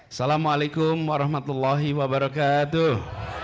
wassalamualaikum warahmatullahi wabarakatuh